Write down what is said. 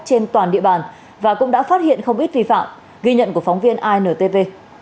trên toàn địa bàn và cũng đã phát hiện không ít vi phạm ghi nhận của phóng viên intv